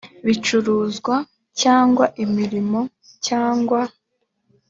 bicuruzwa cyangwa imirimo cyangwa